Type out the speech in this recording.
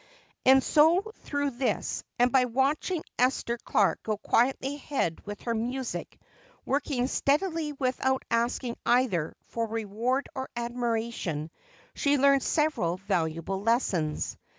And so through this, and by watching Esther Clark go quietly ahead with her music, working steadily without asking either for reward or admiration, she learned several valuable lessons.